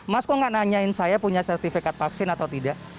mas kok nggak nanyain saya punya sertifikat vaksin atau tidak